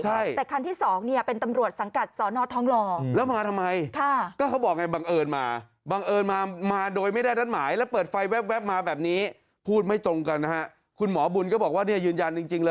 แต่คันที่สองเป็นตำรวจสังกัดสอนอทองหล่อ